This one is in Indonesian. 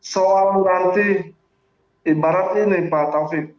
soal nanti ibarat ini pak taufik